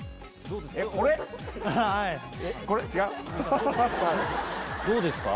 早速どうですか？